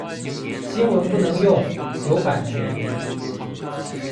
新聞不能用，有版權